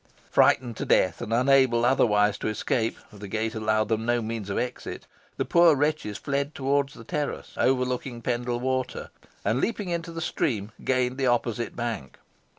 Frightened to death, and unable otherwise to escape, for the gate allowed them no means of exit, the poor wretches fled towards the terrace overlooking Pendle Water, and, leaping into the stream, gained the opposite bank.